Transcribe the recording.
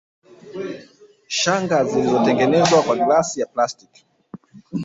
Shanga zilizotengenezwa kwa glasi na plastiki